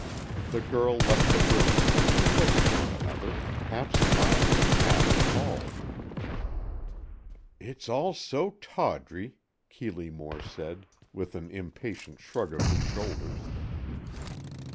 The girl left the room, and we looked at one another, half smiling, half appalled. "It's all so tawdry," Keeley Moore said, with an impatient shrug of his shoulders.